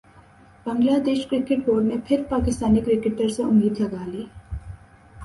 بنگلہ Desh cricket board نے پھر Pakistani cricketers سے امید لگا لی